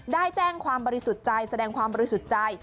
ได้แจ้งความบริสุทธิ์ใจแสดงความบริสุทธิ์ใจ